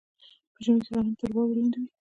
په ژمي کې غنم تر واورې لاندې وي.